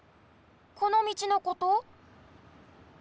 このみちのこと？